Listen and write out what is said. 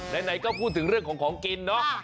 ไหนก็พูดถึงเรื่องของของกินเนาะ